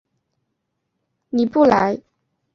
尼布莱。